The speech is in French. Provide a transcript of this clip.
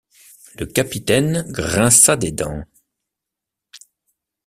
Le capitaine grinça des dents.